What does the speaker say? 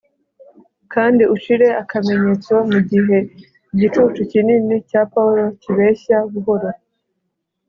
cyangwa ushire akamenyetso, mugihe igicucu kinini cya pawulo kibeshya buhoro